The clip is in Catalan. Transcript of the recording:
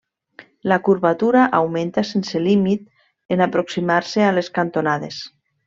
La curvatura augmenta sense límit en aproximar-se a les cantonades.